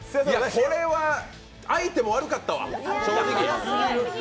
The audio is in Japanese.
これは相手も悪かったわ、正直。